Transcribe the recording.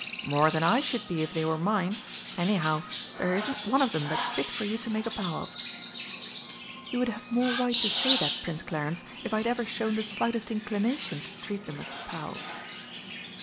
"More than I should be if they were mine. Anyhow, there isn't one of 'em that's fit for you to make a pal of." "You would have more right to say that, Prince Clarence, if I had ever shown the slightest inclination to treat them as 'pals.'"